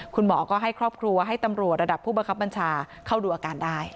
คุณหมอก็ให้ครอบครัวให้ตำรวจระดับผู้บังคับบัญชาเข้าดูอาการได้